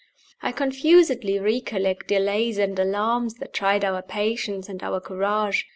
I confusedly recollect delays and alarms that tried our patience and our courage.